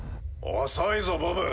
遅いぞボブ。